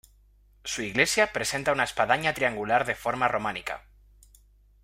Su iglesia presenta una espadaña triangular de forma románica.